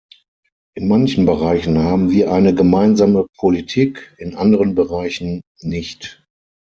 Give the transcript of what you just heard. In manchen Bereichen haben wir eine gemeinsame Politik, in anderen Bereichen nicht.